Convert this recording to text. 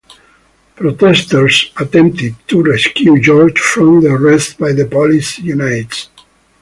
Protesters attempted to rescue George from the arrest by the police units.